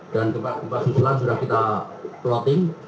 dan gempa gempa susulan sudah kita plotting